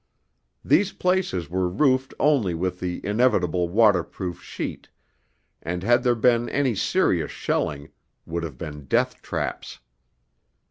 These places were roofed only with the inevitable waterproof sheet, and, had there been any serious shelling, would have been death traps.